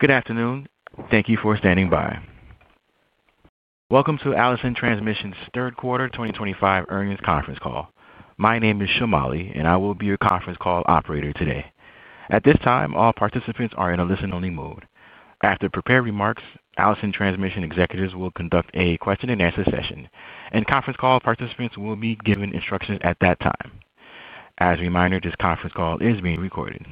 Good afternoon. Thank you for standing by. Welcome to Allison Transmission Inc's Third Quarter 2025 Earnings Conference Call. My name is Shamali, and I will be your conference call operator today. At this time, all participants are in a listen-only mode. After Allison Transmission executives will conduct a question and answer session, and conference call participants will be given instructions at that time. As a reminder, this conference call is being recorded.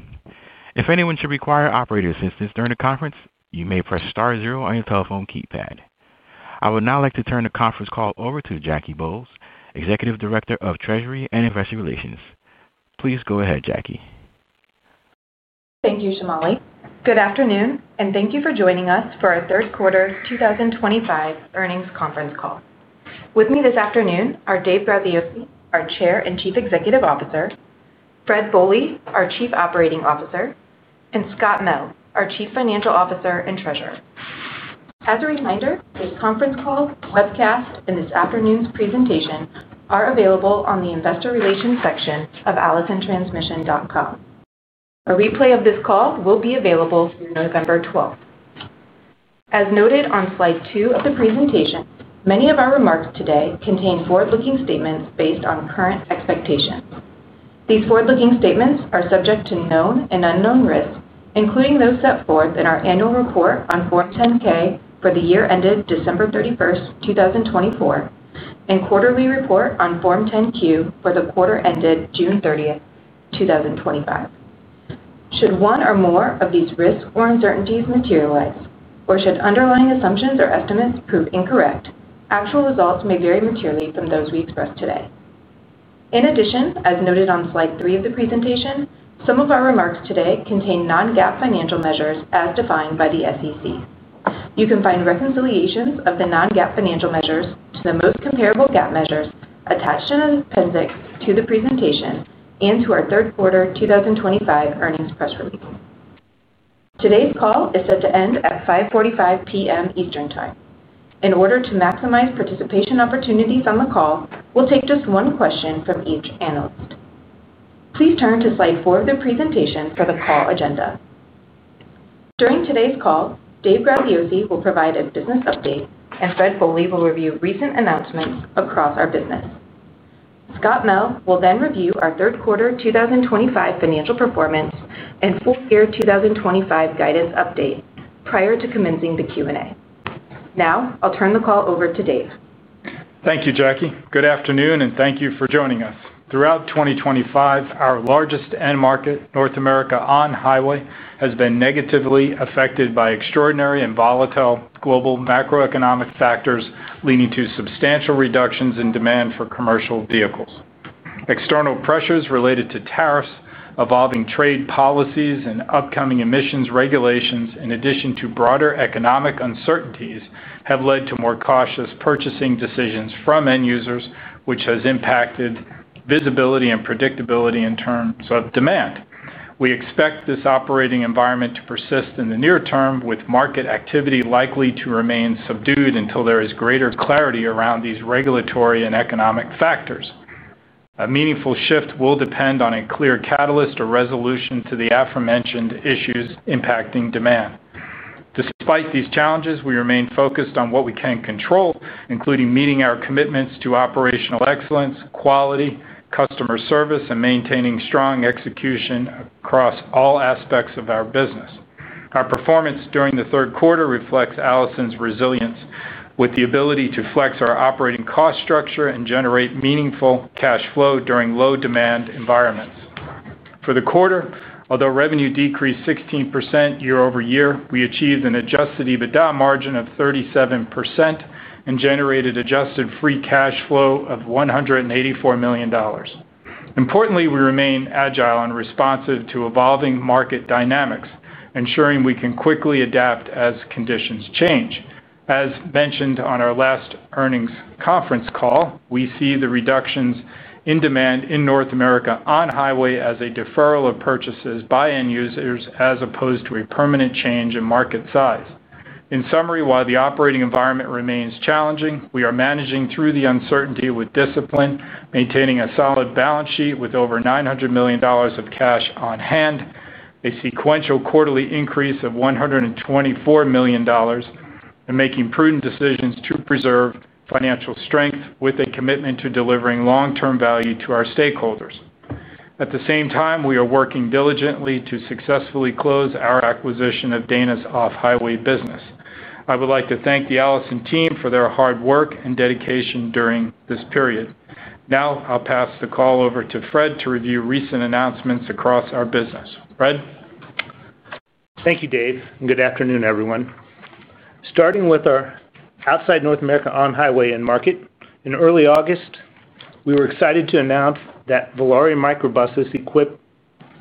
If anyone should require operator assistance during the conference, you may press star zero on your telephone keypad. I would now like to turn the conference call over to Jackie Bolles, Executive Director of Treasury and Investor Relations. Please go ahead, Jackie. Thank you, Shamali. Good afternoon, and thank you for joining us for our third quarter 2025 earnings conference call. With me this afternoon are David Graziosi, our Chair and Chief Executive Officer, Fred Bohley, our Chief Operating Officer, and Scott Mell, our Chief Financial Officer and Treasurer. As a reminder, this conference call, webcast, and this afternoon's presentation are available on the investor relations section of allisontransmission.com. A replay of this call will be available through November 12. As noted on slide two of the presentation, many of our remarks today contain forward-looking statements based on current expectations. These forward-looking statements are subject to known and unknown risks, including those set forth in our annual report on Form 10-K for the year ended December 31, 2024, and quarterly report on Form 10-Q for the quarter ended June 30, 2025. Should one or more of these risks or uncertainties materialize, or should underlying assumptions or estimates prove incorrect, actual results may vary materially from those we expressed today. In addition, as noted on slide three of the presentation, some of our remarks today contain non-GAAP financial measures as defined by the SEC. You can find reconciliations of the non-GAAP financial measures to the most comparable GAAP measures attached in an appendix to the presentation and to our third quarter 2025 earnings press release. Today's call is set to end at 5:45 P.M. Eastern Time. In order to maximize participation opportunities on the call, we'll take just one question from each analyst. Please turn to slide four of the presentation for the call agenda. During today's call, Dave Graziosi will provide a business update, and Fred Bohley will review recent announcements across our business. Scott Mell will then review our third quarter 2025 financial performance and full-year 2025 guidance update prior to commencing the Q&A. Now, I'll turn the call over to Dave. Thank you, Jackie. Good afternoon, and thank you for joining us. Throughout 2025, our largest end market, North America on highway, has been negatively affected by extraordinary and volatile global macroeconomic factors, leading to substantial reductions in demand for commercial vehicles. External pressures related to tariffs, evolving trade policies, and upcoming emissions regulations, in addition to broader economic uncertainties, have led to more cautious purchasing decisions from end users, which has impacted visibility and predictability in terms of demand. We expect this operating environment to persist in the near term, with market activity likely to remain subdued until there is greater clarity around these regulatory and economic factors. A meaningful shift will depend on a clear catalyst or resolution to the aforementioned issues impacting demand. Despite these challenges, we remain focused on what we can control, including meeting our commitments to operational excellence, quality, customer service, and maintaining strong execution across all aspects of our business. Our performance during the third quarter reflects Allison's resilience, with the ability to flex our operating cost structure and generate meaningful cash flow during low-demand environments. For the quarter, although revenue decreased 16% year over year, we achieved an adjusted EBITDA margin of 37% and generated adjusted free cash flow of $184 million. Importantly, we remain agile and responsive to evolving market dynamics, ensuring we can quickly adapt as conditions change. As mentioned on our last earnings conference call, we see the reductions in demand in North America on highway as a deferral of purchases by end users as opposed to a permanent change in market size. In summary, while the operating environment remains challenging, we are managing through the uncertainty with discipline, maintaining a solid balance sheet with over $900 million of cash on hand, a sequential quarterly increase of $124 million, and making prudent decisions to preserve financial strength with a commitment to delivering long-term value to our stakeholders. At the same time, we are working diligently to successfully close our acquisition of Dana's off-highway business. I would like to thank the Allison team for their hard work and dedication during this period. Now, I'll pass the call over to Fred to review recent announcements across our business. Fred? Thank you, Dave, and good afternoon, everyone. Starting with our outside North America on-highway end market, in early August, we were excited to announce that Velaria microbuses equipped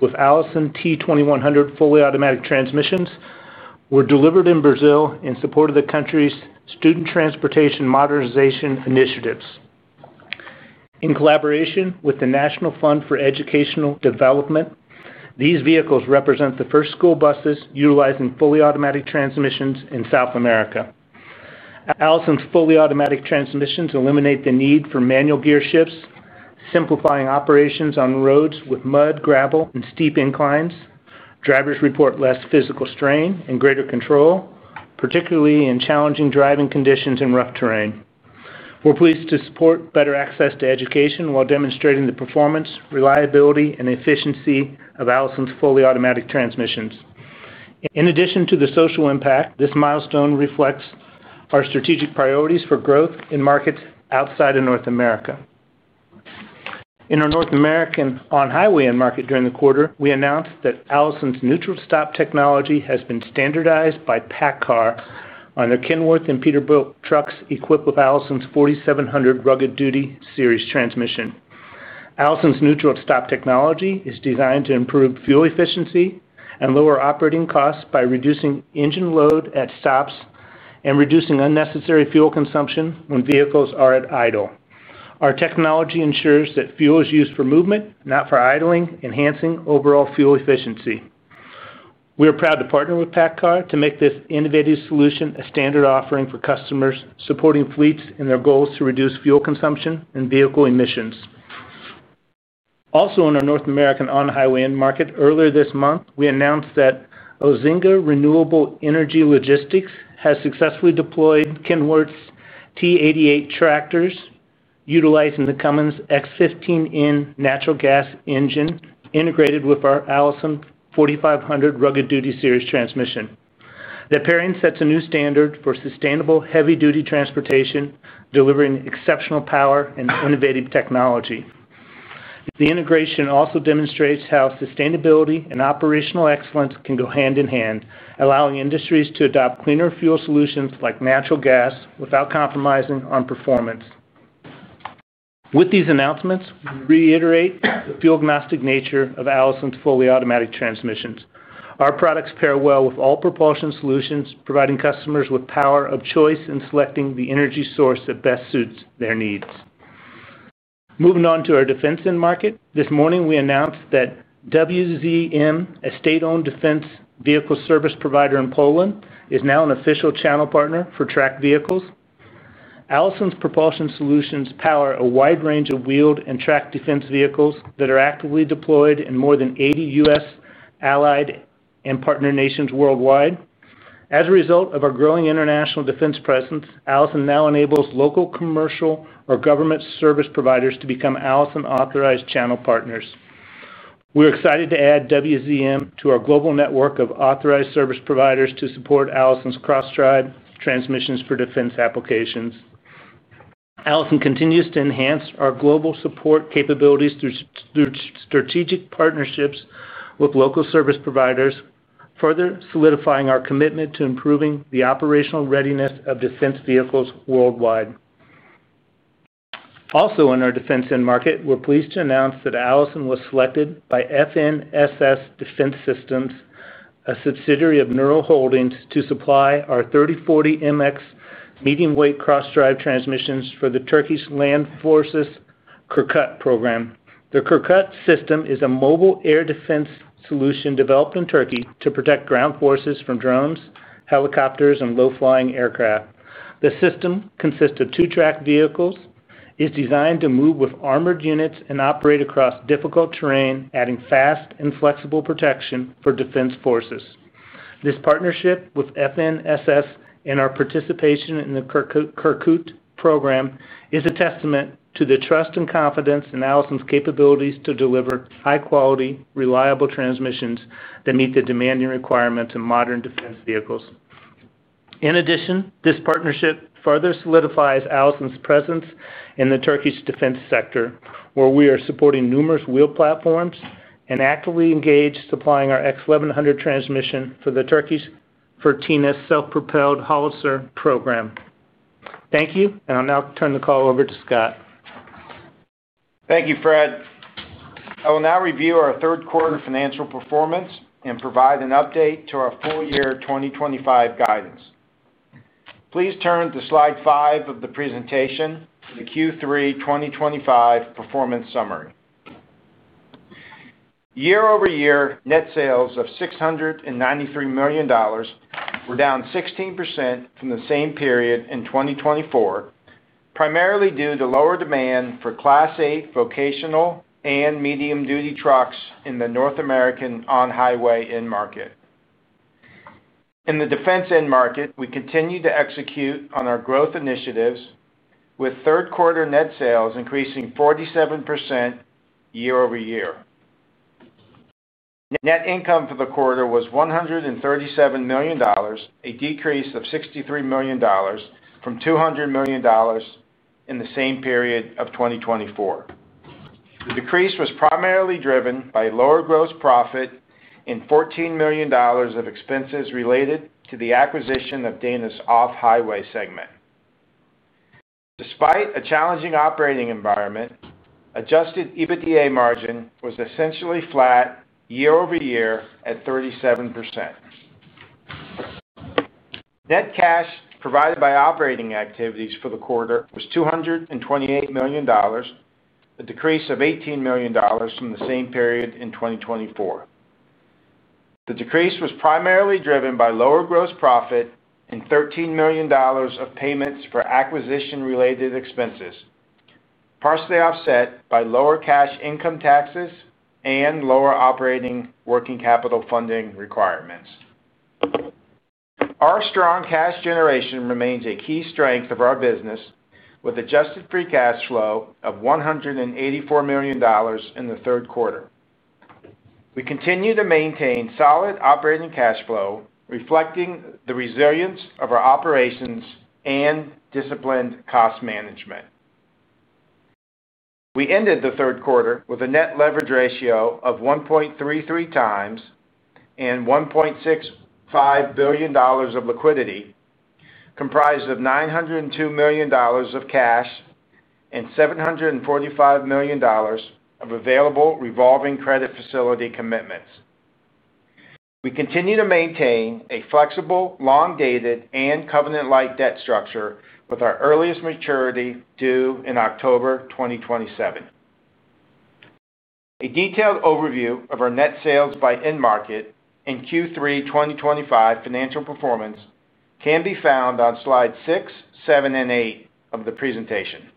with Allison T2100 fully automatic transmissions were delivered in Brazil in support of the country's student transportation modernization initiatives. In collaboration with the National Fund for Educational Development, these vehicles represent the first school buses utilizing fully automatic transmissions in South America. Allison's fully automatic transmissions eliminate the need for manual gear shifts, simplifying operations on roads with mud, gravel, and steep inclines. Drivers report less physical strain and greater control, particularly in challenging driving conditions and rough terrain. We're pleased to support better access to education while demonstrating the performance, reliability, and efficiency of Allison's fully automatic transmissions. In addition to the social impact, this milestone reflects our strategic priorities for growth in markets outside of North America. In our North America on-highway end market during the quarter, we announced that Allison's neutral stop technology has been standardized by PACCAR on their Kenworth and Peterbilt trucks equipped with Allison's 4700 Rugged Duty Series transmission. Allison's neutral stop technology is designed to improve fuel efficiency and lower operating costs by reducing engine load at stops and reducing unnecessary fuel consumption when vehicles are at idle. Our technology ensures that fuel is used for movement, not for idling, enhancing overall fuel efficiency. We are proud to partner with PACCAR to make this innovative solution a standard offering for customers supporting fleets in their goals to reduce fuel consumption and vehicle emissions. Also, in our North America on-highway end market, earlier this month, we announced that Ozinga Renewable Energy Logistics has successfully deployed Kenworth T88 tractors utilizing the Cummins X15N natural gas engine integrated with our Allison 4500 Rugged Duty Series transmission. The pairing sets a new standard for sustainable heavy-duty transportation, delivering exceptional power and innovative technology. The integration also demonstrates how sustainability and operational excellence can go hand in hand, allowing industries to adopt cleaner fuel solutions like natural gas without compromising on performance. With these announcements, we reiterate the fuel-agnostic nature of Allison's fully automatic transmissions. Our products pair well with all propulsion solutions, providing customers with power of choice in selecting the energy source that best suits their needs. Moving on to our defense end market, this morning we announced that WZM, a state-owned defense vehicle service provider in Poland, is now an official channel partner for track vehicles. Allison's propulsion solutions power a wide range of wheeled and tracked defense vehicles that are actively deployed in more than 80 U.S., allied, and partner nations worldwide. As a result of our growing international defense presence, Allison now enables local commercial or government service providers to become Allison authorized channel partners. We're excited to add WZM to our global network of authorized service providers to support Allison's cross-drive transmissions for defense applications. Allison continues to enhance our global support capabilities through strategic partnerships with local service providers, further solidifying our commitment to improving the operational readiness of defense vehicles worldwide. Also, in our defense end market, we're pleased to announce that Allison was selected by FNSS Defense Systems, a subsidiary of Nurol Holdings, to supply our 3040MX medium-weight cross-drive transmissions for the Turkish Land Forces Kırkut program. The Kırkut system is a mobile air defense solution developed in Turkey to protect ground forces from drones, helicopters, and low-flying aircraft. The system consists of two track vehicles, is designed to move with armored units and operate across difficult terrain, adding fast and flexible protection for defense forces. This partnership with FNSS and our participation in the Kırkut program is a testament to the trust and confidence in Allison's capabilities to deliver high-quality, reliable transmissions that meet the demanding requirements of modern defense vehicles. In addition, this partnership further solidifies Allison's presence in the Turkish defense sector, where we are supporting numerous wheeled platforms and actively engage in supplying our X1100 transmission for the Turkish Fırtına self-propelled howitzer program. Thank you, and I'll now turn the call over to Scott. Thank you, Fred. I will now review our third quarter financial performance and provide an update to our full-year 2025 guidance. Please turn to slide five of the presentation, the Q3 2025 performance summary. Year-over-year net sales of $693 million were down 16% from the same period in 2024, primarily due to lower demand for Class 8 vocational and medium-duty trucks in the North American on-highway end market. In the defense end market, we continue to execute on our growth initiatives, with third-quarter net sales increasing 47% year over year. Net income for the quarter was $137 million, a decrease of $63 million from $200 million in the same period of 2024. The decrease was primarily driven by a lower gross profit and $14 million of expenses related to the acquisition of Dana's off-highway segment. Despite a challenging operating environment, adjusted EBITDA margin was essentially flat year over year at 37%. Net cash provided by operating activities for the quarter was $228 million, a decrease of $18 million from the same period in 2024. The decrease was primarily driven by lower gross profit and $13 million of payments for acquisition-related expenses, partially offset by lower cash income taxes and lower operating working capital funding requirements. Our strong cash generation remains a key strength of our business, with adjusted free cash flow of $184 million in the third quarter. We continue to maintain solid operating cash flow, reflecting the resilience of our operations and disciplined cost management. We ended the third quarter with a net leverage ratio of 1.33 times and $1.65 billion of liquidity, comprised of $902 million of cash and $745 million of available revolving credit facility commitments. We continue to maintain a flexible, long-dated, and covenant-like debt structure, with our earliest maturity due in October 2027. A detailed overview of our net sales by end market and Q3 2025 financial performance can be found on slides six, seven, and eight of the presentation.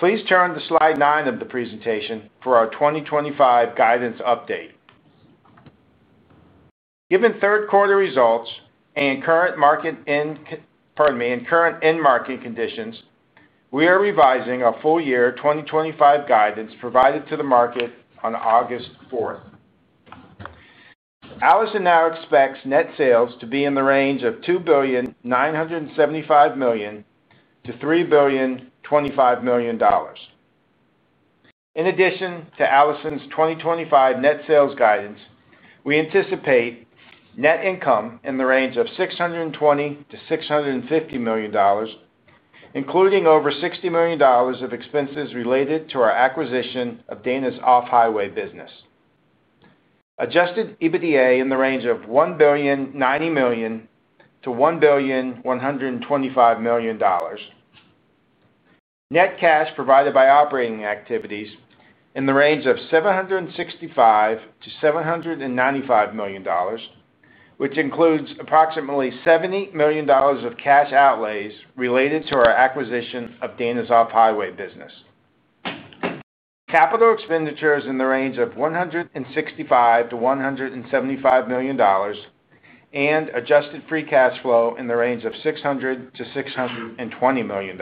Please turn to slide nine of the presentation for our 2025 guidance update. Given third-quarter results and current end market conditions, we are revising our full-year 2025 guidance provided to the market on August 4th. Allison now expects net sales to be in the range of $2,975 million-$3,025 million. In addition to Allison's 2025 net sales guidance, we anticipate net income in the range of $620 million to $650 million, including over $60 million of expenses related to our acquisition of Dana's off-highway business. Adjusted EBITDA in the range of $1,090 million-$1,125 million. Net cash provided by operating activities in the range of $765 million-$795 million, which includes approximately $70 million of cash outlays related to our acquisition of Dana's off-highway business. Capital expenditures in the range of $165 million-$175 million and adjusted free cash flow in the range of $600 million-$620 million.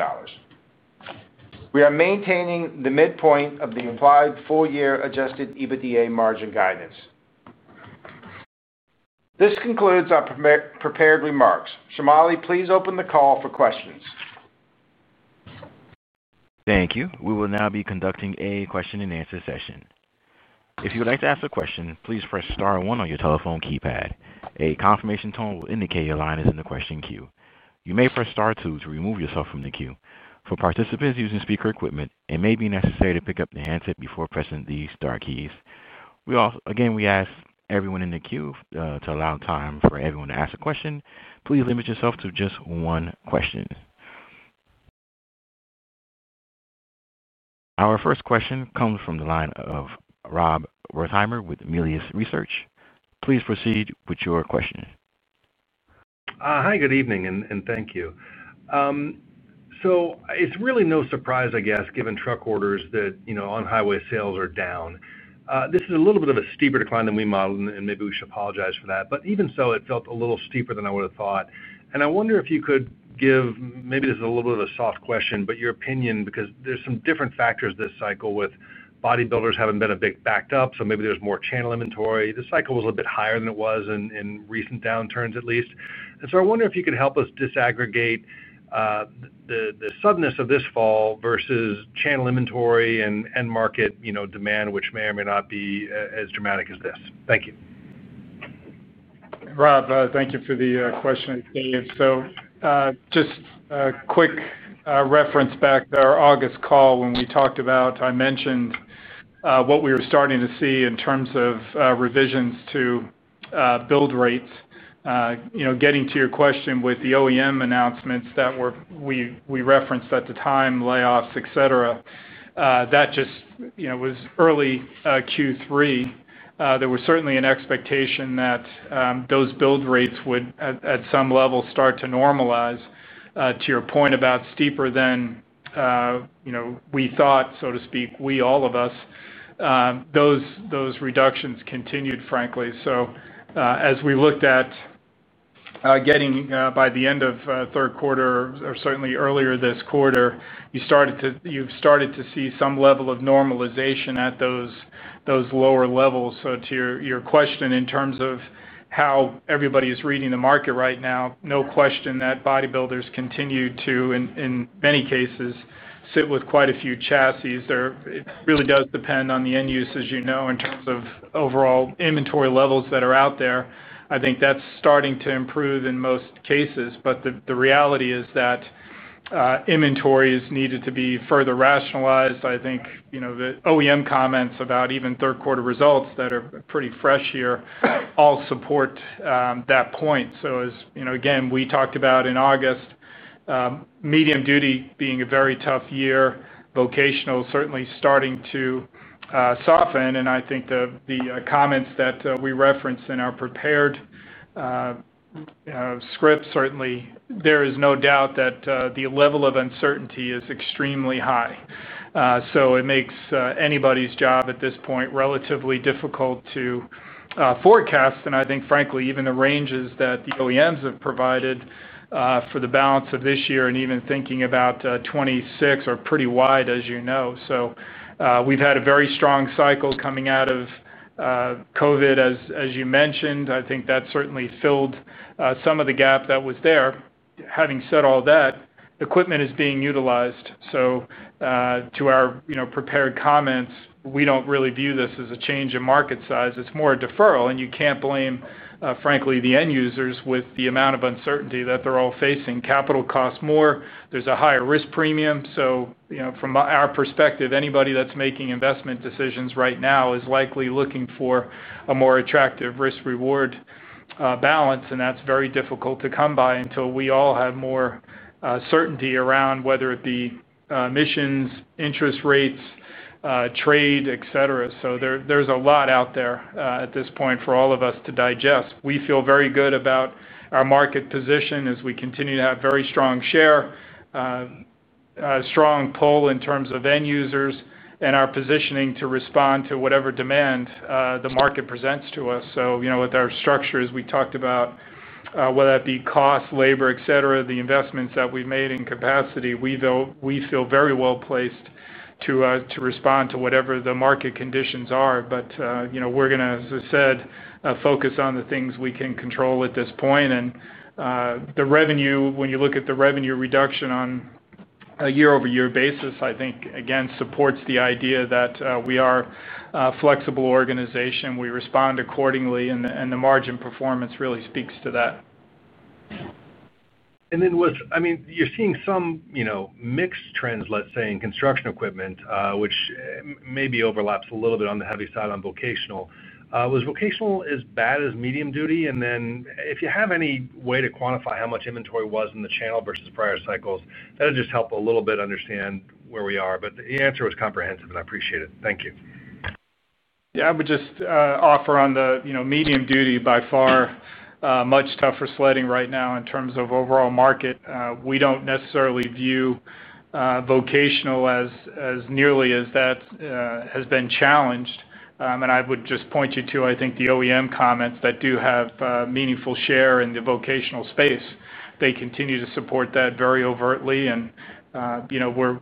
We are maintaining the midpoint of the implied full-year adjusted EBITDA margin guidance. This concludes our prepared remarks. Shamali, please open the call for questions. Thank you. We will now be conducting a question and answer session. If you would like to ask a question, please press star one on your telephone keypad. A confirmation tone will indicate your line is in the question queue. You may press star two to remove yourself from the queue. For participants using speaker equipment, it may be necessary to pick up the handset before pressing the star keys. We also ask everyone in the queue to allow time for everyone to ask a question. Please limit yourself to just one question. Our first question comes from the line of Robert Wertheimer with Melius Research. Please proceed with your question. Hi, good evening, and thank you. It's really no surprise, I guess, given truck orders that, you know, on-highway sales are down. This is a little bit of a steeper decline than we modeled, and maybe we should apologize for that. Even so, it felt a little steeper than I would have thought. I wonder if you could give, maybe this is a little bit of a soft question, but your opinion, because there's some different factors this cycle with bodybuilders having been a bit backed up. Maybe there's more channel inventory. The cycle was a little bit higher than it was in recent downturns, at least. I wonder if you could help us disaggregate the suddenness of this fall versus channel inventory and end market, you know, demand, which may or may not be as dramatic as this. Thank you. Rob, thank you for the question. Just a quick reference back to our August call when we talked about, I mentioned what we were starting to see in terms of revisions to build rates. Getting to your question with the OEM announcements that we referenced at the time, layoffs, et cetera, that was early Q3. There was certainly an expectation that those build rates would, at some level, start to normalize. To your point about steeper than we thought, so to speak, all of us, those reductions continued, frankly. As we looked at getting by the end of third quarter, or certainly earlier this quarter, you've started to see some level of normalization at those lower levels. To your question, in terms of how everybody is reading the market right now, no question that bodybuilders continued to, in many cases, sit with quite a few chassis. It really does depend on the end use, as you know, in terms of overall inventory levels that are out there. I think that's starting to improve in most cases, but the reality is that inventory is needed to be further rationalized. The OEM comments about even third-quarter results that are pretty fresh here all support that point. As we talked about in August, medium duty being a very tough year, vocational is certainly starting to soften, and the comments that we referenced in our prepared script, certainly, there is no doubt that the level of uncertainty is extremely high. It makes anybody's job at this point relatively difficult to forecast. Even the ranges that the OEMs have provided for the balance of this year, and even thinking about 2026, are pretty wide, as you know. We've had a very strong cycle coming out of COVID, as you mentioned. That certainly filled some of the gap that was there. Having said all that, equipment is being utilized. To our prepared comments, we don't really view this as a change in market size. It's more a deferral, and you can't blame, frankly, the end users with the amount of uncertainty that they're all facing. Capital costs more. There's a higher risk premium. From our perspective, anybody that's making investment decisions right now is likely looking for a more attractive risk-reward balance, and that's very difficult to come by until we all have more certainty around whether it be emissions, interest rates, trade, et cetera. There is a lot out there at this point for all of us to digest. We feel very good about our market position as we continue to have very strong share, a strong pull in terms of end users, and our positioning to respond to whatever demand the market presents to us. With our structures, we talked about whether that be cost, labor, et cetera, the investments that we've made in capacity, we feel very well placed to respond to whatever the market conditions are. We are going to, as I said, focus on the things we can control at this point. The revenue, when you look at the revenue reduction on a year-over-year basis, I think, again, supports the idea that we are a flexible organization. We respond accordingly, and the margin performance really speaks to that. You are seeing some mixed trends in construction equipment, which maybe overlaps a little bit on the heavy side on vocational. Was vocational as bad as medium duty? If you have any way to quantify how much inventory was in the channel versus prior cycles, that would help a little bit to understand where we are. The answer was comprehensive, and I appreciate it. Thank you. I would just offer on the, you know, medium duty by far much tougher sledding right now in terms of overall market. We don't necessarily view vocational as nearly as that has been challenged. I would just point you to, I think, the OEM comments that do have meaningful share in the vocational space. They continue to support that very overtly.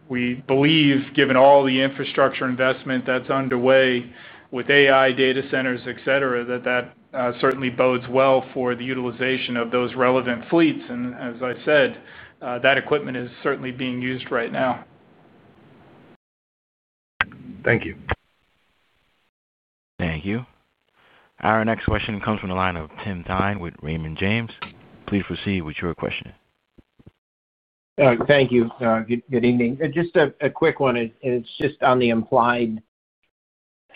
We believe, given all the infrastructure investment that's underway with AI data centers, et cetera, that certainly bodes well for the utilization of those relevant fleets. As I said, that equipment is certainly being used right now. Thank you. Thank you. Our next question comes from the line of Tim Dahms with Raymond James. Please proceed with your question. Thank you. Good evening. Just a quick one, and it's just on the implied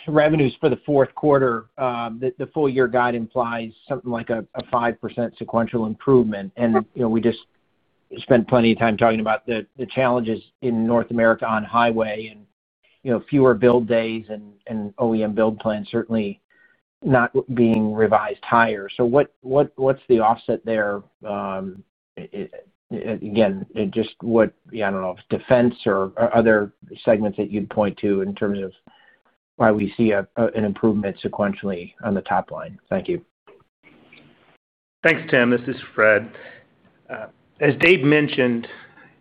revenues for the fourth quarter. The full-year guide implies something like a 5% sequential improvement. We just spent plenty of time talking about the challenges in North America on highway and fewer build days, and OEM build plans certainly not being revised higher. What's the offset there? Again, just what, I don't know if defense or other segments that you'd point to in terms of why we see an improvement sequentially on the top line. Thank you. Thanks, Tim. This is Fred. As Dave mentioned,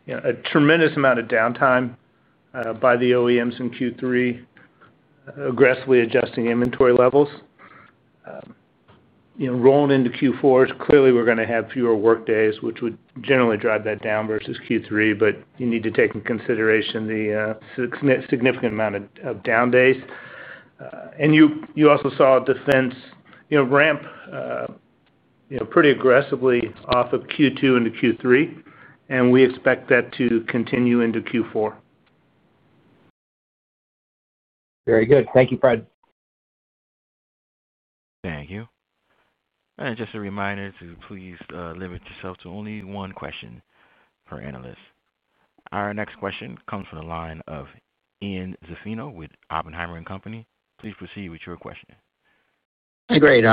a tremendous amount of downtime by the OEMs in Q3, aggressively adjusting inventory levels. Rolling into Q4, clearly we're going to have fewer work days, which would generally drive that down versus Q3. You need to take into consideration the significant amount of down days. You also saw defense ramp pretty aggressively off of Q2 into Q3. We expect that to continue into Q4. Very good. Thank you, Fred. Thank you. Just a reminder to please limit yourself to only one question per analyst. Our next question comes from the line of Ian Zaffino with Oppenheimer & Co. Inc. Please proceed with your question. Hey, great.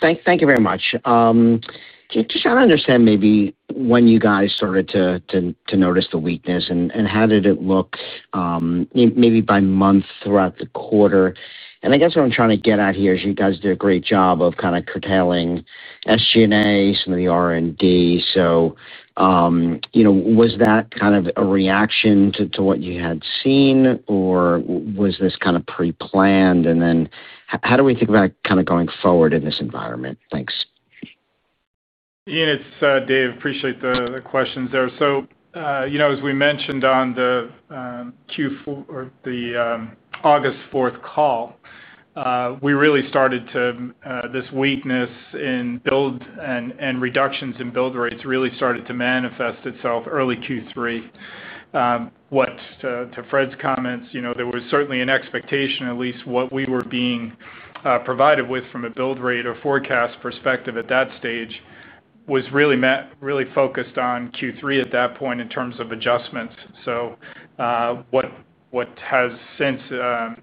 Thank you very much. Just trying to understand maybe when you guys started to notice the weakness and how did it look, maybe by month throughout the quarter. I guess what I'm trying to get at here is you guys did a great job of kind of curtailing SG&A, some of the R&D. Was that kind of a reaction to what you had seen, or was this kind of pre-planned? How do we think about it going forward in this environment? Thanks. Yeah, it's Dave. Appreciate the questions there. As we mentioned on the Q4 or the August 4th call, we really started to, this weakness in build and reductions in build rates really started to manifest itself early Q3. To Fred's comments, there was certainly an expectation, at least what we were being provided with from a build rate or forecast perspective at that stage was really focused on Q3 at that point in terms of adjustments. What has since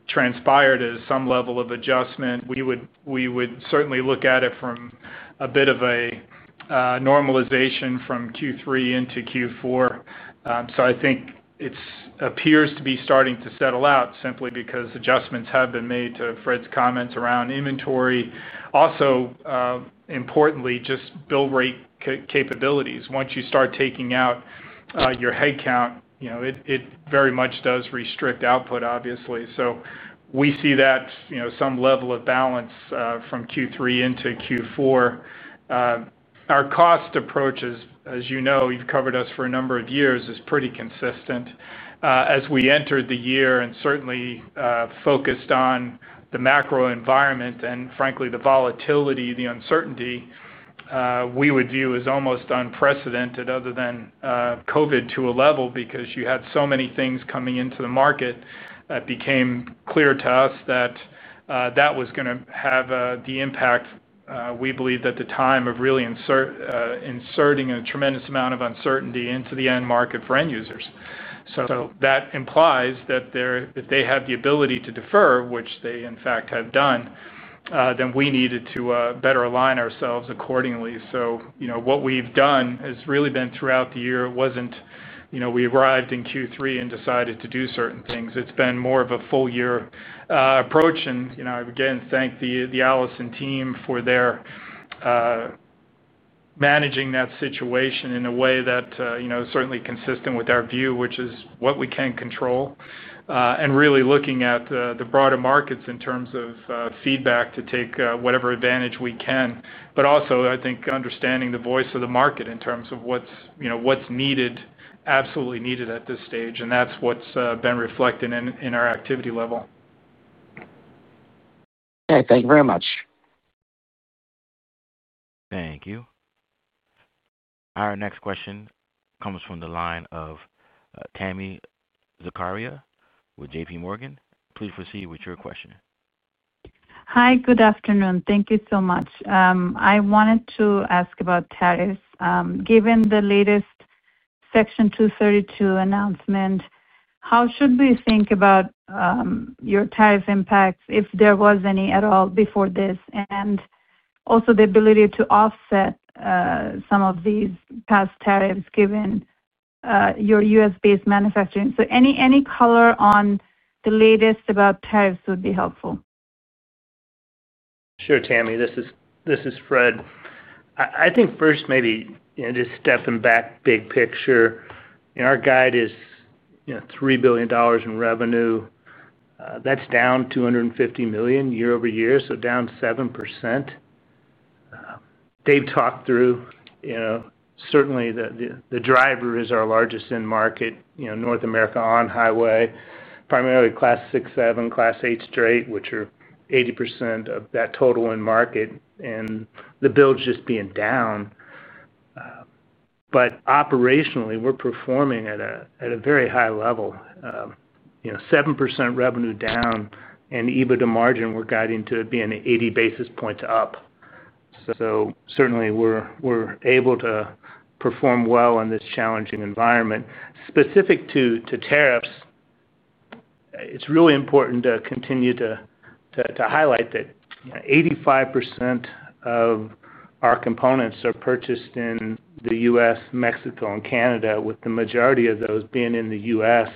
transpired is some level of adjustment. We would certainly look at it from a bit of a normalization from Q3 into Q4. I think it appears to be starting to settle out simply because adjustments have been made, to Fred's comments around inventory. Also, importantly, just build rate capabilities. Once you start taking out your headcount, it very much does restrict output, obviously. We see that some level of balance from Q3 into Q4. Our cost approach is, as you know, you've covered us for a number of years, is pretty consistent. As we entered the year and certainly focused on the macro environment and frankly the volatility, the uncertainty, we would view as almost unprecedented other than COVID to a level because you had so many things coming into the market. It became clear to us that was going to have the impact, we believed at the time, of really inserting a tremendous amount of uncertainty into the end market for end users. That implies that if they have the ability to defer, which they in fact have done, then we needed to better align ourselves accordingly. What we've done has really been throughout the year. It wasn't we arrived in Q3 and decided to do certain things. It's been more of a full-year approach. I again thank the Allison team for their managing that situation in a way that is certainly consistent with our view, which is what we can control, and really looking at the broader markets in terms of feedback to take whatever advantage we can. I think understanding the voice of the market in terms of what's needed, absolutely needed at this stage. That's what's been reflected in our activity level. All right, thank you very much. Thank you. Our next question comes from the line of Tami Zakaria with JPMorgan Chase & Co. Please proceed with your question. Hi, good afternoon. Thank you so much. I wanted to ask about tariffs. Given the latest Section 232 announcement, how should we think about your tariff impacts, if there was any at all before this, and also the ability to offset some of these past tariffs given your U.S.-based manufacturing? Any color on the latest about tariffs would be helpful. Sure, Tami. This is Fred. I think first maybe, just stepping back, big picture, our guide is $3 billion in revenue. That's down $250 million year over year, so down 7%. Dave talked through, certainly the driver is our largest end market, North America on highway, primarily Class 6, 7, Class 8 straight, which are 80% of that total end market, and the builds just being down. Operationally, we're performing at a very high level. 7% revenue down and EBITDA margin, we're guiding to it being 80 basis points up. Certainly, we're able to perform well in this challenging environment. Specific to tariffs, it's really important to continue to highlight that 85% of our components are purchased in the U.S., Mexico, and Canada, with the majority of those being in the U.S.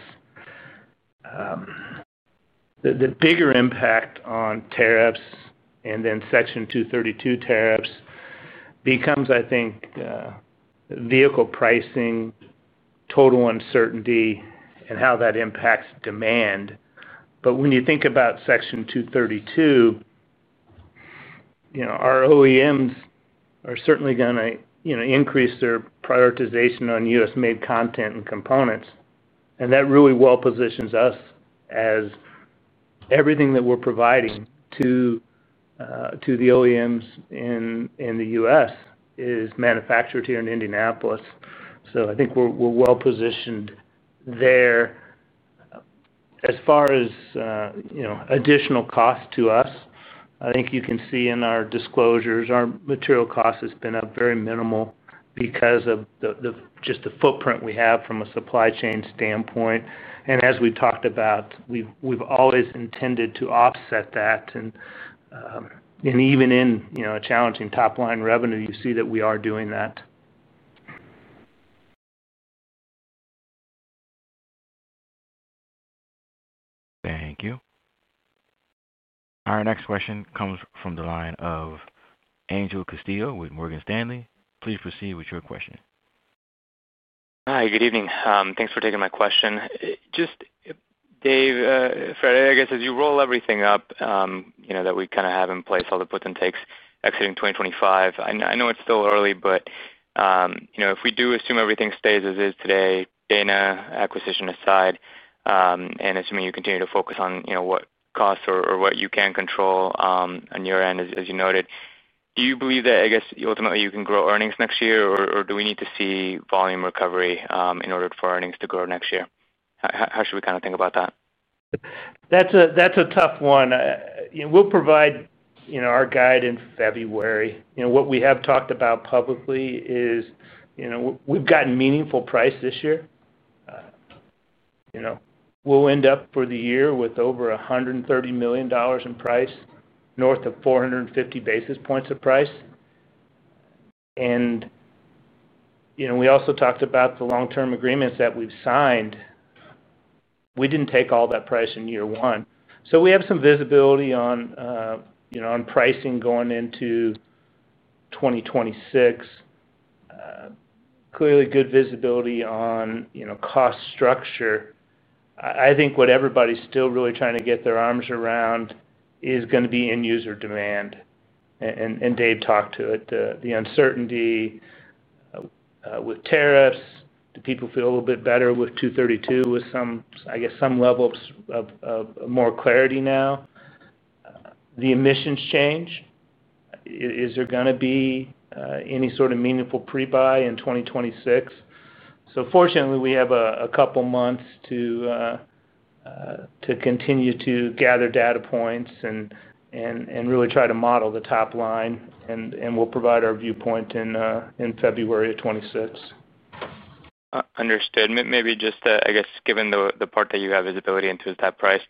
The bigger impact on tariffs and then Section 232 tariffs becomes, I think, vehicle pricing, total uncertainty, and how that impacts demand. When you think about Section 232, our OEMs are certainly going to increase their prioritization on U.S.-made content and components. That really well positions us as everything that we're providing to the OEMs in the U.S. is manufactured here in Indianapolis. I think we're well positioned there. As far as additional costs to us, I think you can see in our disclosures, our material cost has been up very minimal because of just the footprint we have from a supply chain standpoint. As we talked about, we've always intended to offset that. Even in a challenging top-line revenue, you see that we are doing that. Thank you. Our next question comes from the line of Angel Castillo with Morgan Stanley. Please proceed with your question. Hi, good evening. Thanks for taking my question. Dave, Fred, as you roll everything up that we kind of have in place, all the puts and takes exiting 2025, I know it's still early, but if we do assume everything stays as is today, Dana acquisition aside, and assuming you continue to focus on what costs or what you can control on your end, as you noted, do you believe that ultimately you can grow earnings next year, or do we need to see volume recovery in order for earnings to grow next year? How should we kind of think about that? That's a tough one. We'll provide, you know, our guide in February. You know, what we have talked about publicly is, you know, we've gotten meaningful price this year. You know, we'll end up for the year with over $130 million in price, north of 450 basis points of price. You know, we also talked about the long-term agreements that we've signed. We didn't take all that price in year one, so we have some visibility on, you know, pricing going into 2026. Clearly, good visibility on, you know, cost structure. I think what everybody's still really trying to get their arms around is going to be end user demand. Dave talked to it. The uncertainty with tariffs, do people feel a little bit better with 232? With some, I guess, some level of more clarity now? The emissions change. Is there going to be any sort of meaningful pre-buy in 2026? Fortunately, we have a couple months to continue to gather data points and really try to model the top line. We'll provide our viewpoint in February of 2026. Understood. Maybe just, I guess, given the part that you have visibility into is that price,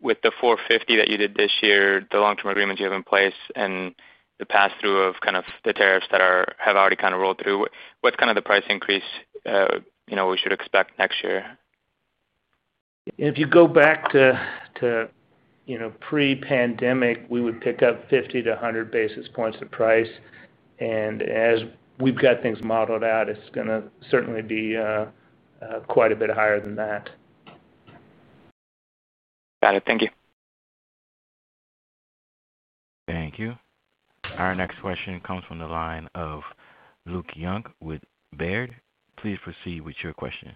with the $450 that you did this year, the long-term agreements you have in place, and the pass-through of kind of the tariffs that have already kind of rolled through, what's kind of the price increase we should expect next year? If you go back to, you know, pre-pandemic, we would pick up 50-100 basis points of price. As we've got things modeled out, it's going to certainly be quite a bit higher than that. Got it. Thank you. Thank you. Our next question comes from the line of Luke Young with Baird. Please proceed with your question.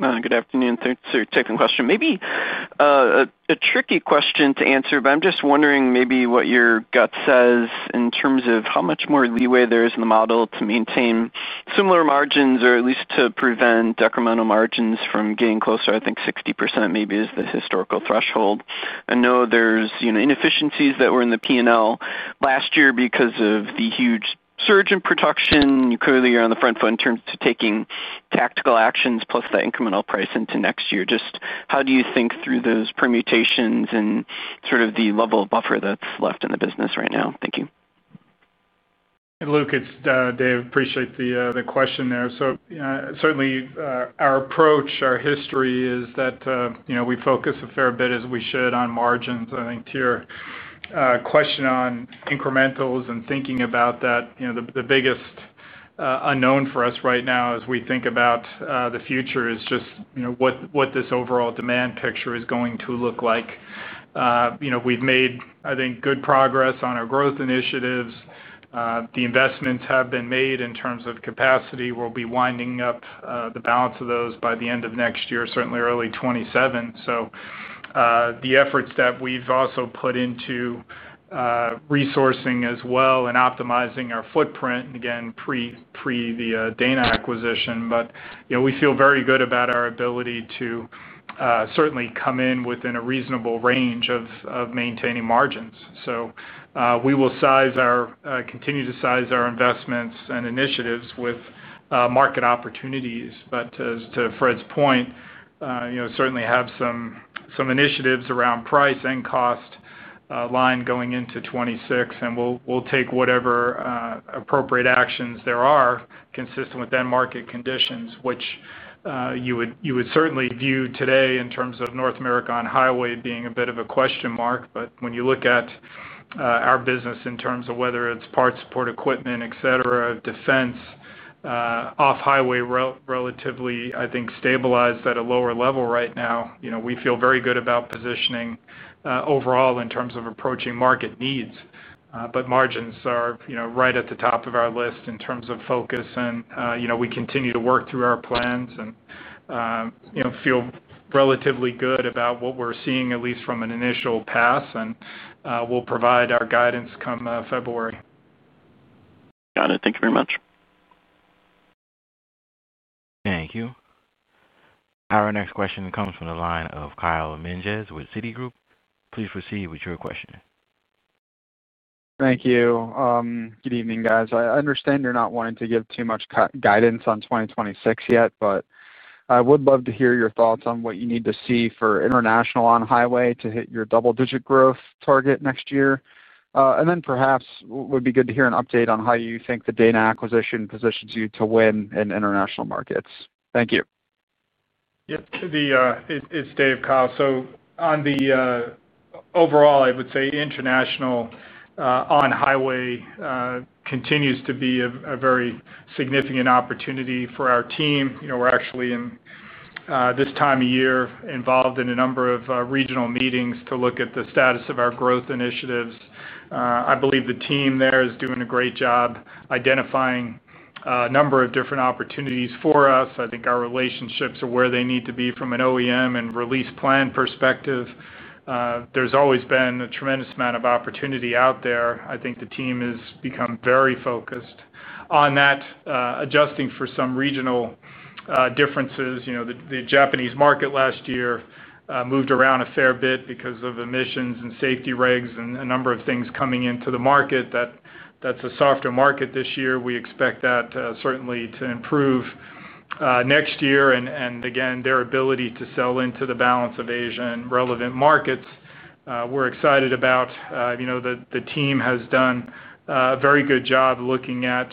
Good afternoon. Thanks for taking the question. Maybe a tricky question to answer, but I'm just wondering what your gut says in terms of how much more leeway there is in the model to maintain similar margins or at least to prevent decremental margins from getting closer. I think 60% maybe is the historical threshold. I know there are inefficiencies that were in the P&L last year because of the huge surge in production. You clearly are on the front foot in terms of taking tactical actions, plus that incremental price into next year. Just how do you think through those permutations and the level of buffer that's left in the business right now? Thank you. Luke, it's Dave. Appreciate the question there. Certainly, our approach, our history is that we focus a fair bit, as we should, on margins. I think to your question on incrementals and thinking about that, the biggest unknown for us right now as we think about the future is just what this overall demand picture is going to look like. We've made, I think, good progress on our growth initiatives. The investments have been made in terms of capacity. We'll be winding up the balance of those by the end of next year, certainly early 2027. The efforts that we've also put into resourcing as well and optimizing our footprint, again, pre the Dana acquisition. We feel very good about our ability to certainly come in within a reasonable range of maintaining margins. We will continue to size our investments and initiatives with market opportunities. As to Fred's point, we certainly have some initiatives around price and cost line going into 2026. We'll take whatever appropriate actions there are consistent with end market conditions, which you would certainly view today in terms of North America on highway being a bit of a question mark. When you look at our business in terms of whether it's parts support equipment, et cetera, defense, off-highway relatively, I think, stabilized at a lower level right now. We feel very good about positioning overall in terms of approaching market needs. Margins are right at the top of our list in terms of focus. We continue to work through our plans and feel relatively good about what we're seeing, at least from an initial pass. We'll provide our guidance come February. Got it. Thank you very much. Thank you. Our next question comes from the line of KyleMenges with Citigroup Inc. Please proceed with your question. Thank you. Good evening, guys. I understand you're not wanting to give too much guidance on 2026 yet, but I would love to hear your thoughts on what you need to see for international on-highway to hit your double-digit growth target next year. Perhaps it would be good to hear an update on how you think the Dana acquisition positions you to win in international markets. Thank you. Yep. It's Dave, Kyle. On the overall, I would say international on-highway continues to be a very significant opportunity for our team. We're actually in this time of year involved in a number of regional meetings to look at the status of our growth initiatives. I believe the team there is doing a great job identifying a number of different opportunities for us. I think our relationships are where they need to be from an OEM and release plan perspective. There's always been a tremendous amount of opportunity out there. I think the team has become very focused on that, adjusting for some regional differences. The Japanese market last year moved around a fair bit because of emissions and safety regs and a number of things coming into the market. That's a softer market this year. We expect that certainly to improve next year. Their ability to sell into the balance of Asia and relevant markets, we're excited about. The team has done a very good job looking at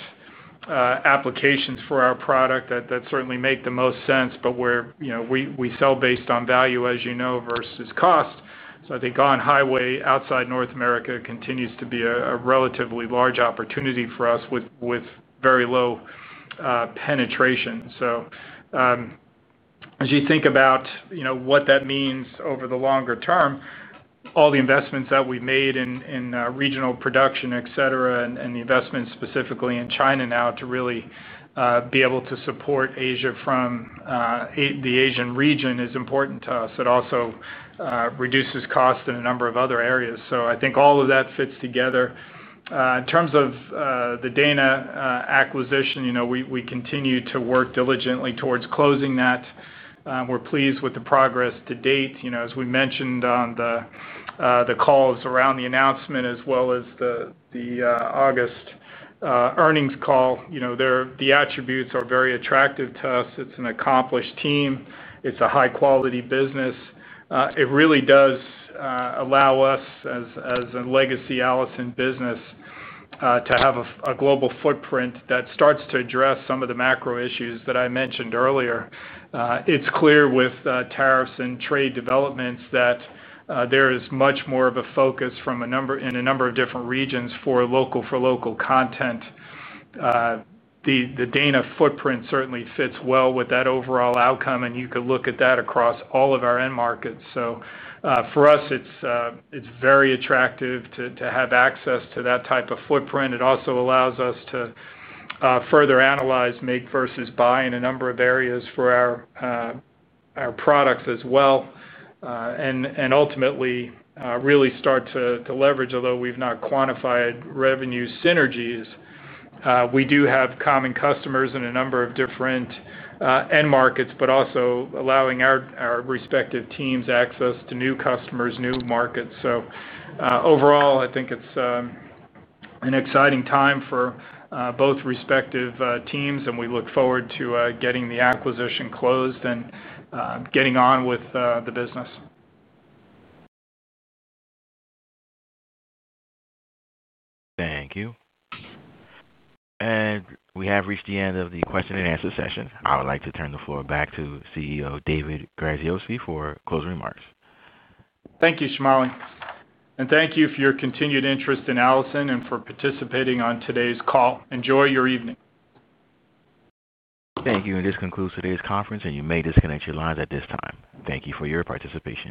applications for our product that certainly make the most sense. We sell based on value, as you know, versus cost. I think on-highway outside North America continues to be a relatively large opportunity for us with very low penetration. As you think about what that means over the longer term, all the investments that we've made in regional production, et cetera, and the investments specifically in China now to really be able to support Asia from the Asian region is important to us. It also reduces cost in a number of other areas. I think all of that fits together. In terms of the Dana acquisition, we continue to work diligently towards closing that. We're pleased with the progress to date. As we mentioned on the calls around the announcement, as well as the August earnings call, the attributes are very attractive to us. It's an accomplished team. It's a high-quality business. It really does allow us, as a legacy Allison business, to have a global footprint that starts to address some of the macro issues that I mentioned earlier. It's clear with tariffs and trade developments that there is much more of a focus in a number of different regions for local content. The Dana footprint certainly fits well with that overall outcome, and you could look at that across all of our end markets. For us, it's very attractive to have access to that type of footprint. It also allows us to further analyze make versus buy in a number of areas for our products as well. Ultimately, really start to leverage, although we've not quantified revenue synergies, we do have common customers in a number of different end markets, but also allowing our respective teams access to new customers, new markets. Overall, I think it's an exciting time for both respective teams, and we look forward to getting the acquisition closed and getting on with the business. Thank you. We have reached the end of the question and answer session. I would like to turn the floor back to CEO Dave Graziosi for closing remarks. Thank you, Shamali. Thank you for your continued interest in Allison and for participating on today's call. Enjoy your evening. Thank you. This concludes today's conference, and you may disconnect your lines at this time. Thank you for your participation.